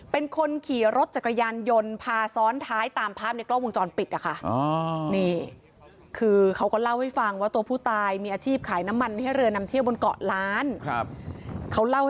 เป็นคนขี่รถจักรยานยนต์พาซ้อนท้ายต่อผ้าบริกล้อมจารปิดน่ะค่ะ